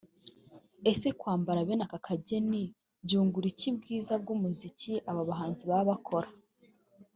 Ese kwambara bene aka kageni byungura iki bwiza bw’umuziki aba bahanzi bakora